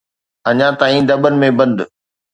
اڃا تائين دٻن ۾ بند.